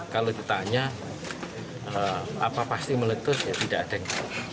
kalau ditanya apa pasti meletus ya tidak ada yang